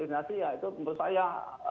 dinasti ya itu menurut saya